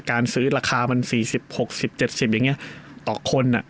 การซื้อราคามัน๔๐๖๐๗๐อย่างนี้ต่อคน